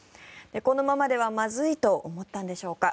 このままではまずいと思ったんでしょうか。